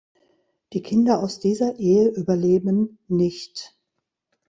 Die Kinder aus dieser Ehe überleben nicht.